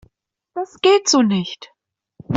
Das geht so nicht!